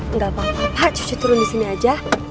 enggak apa apa pak cucu turun di sini aja